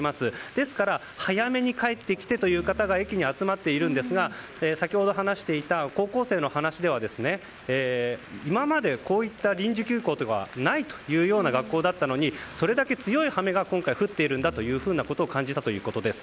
ですから早めに帰ってきてという方が駅に集まっているんですが先ほど話していた高校生の話では、今までこういった臨時休校というのはないというような学校だったのにそれだけ強い雨が今回降っているんだということを今回感じたということです。